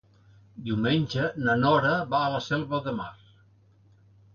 Diumenge na Nora va a la Selva de Mar.